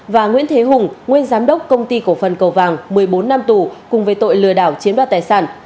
và nguyễn thế hùng nguyên giám đốc công ty cổ phần cầu vàng một mươi bốn năm tù cùng với tội lừa đảo chiếm đoạt tài sản